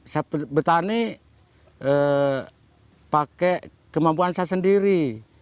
saya bertani pakai kemampuan saya sendiri